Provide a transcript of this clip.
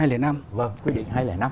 vâng quy định hai trăm linh năm